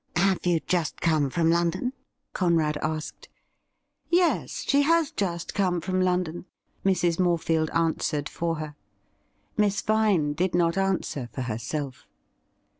' Have you just come from London ?' Conrad asked. ' Yes, she has just come from London,' Mrs. Morefield ■answered for her. Miss Vine did not answer for herself.